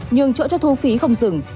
nhưng chỗ cho thu phí không dừng